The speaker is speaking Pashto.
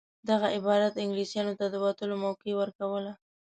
دغه عبارت انګلیسیانو ته د وتلو موقع ورکوله.